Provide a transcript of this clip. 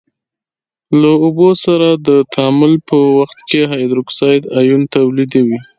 له اوبو سره د تعامل په وخت کې هایدروکساید آیون تولیدوي.